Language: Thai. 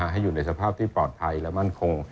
ให้อยู่ในสภาพที่ปลอดภัยและมั่นคง